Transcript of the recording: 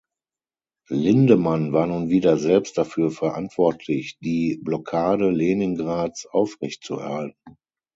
Lindemann war nun wieder selbst dafür verantwortlich, die Blockade Leningrads aufrechtzuerhalten.